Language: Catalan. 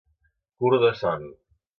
Curt de son.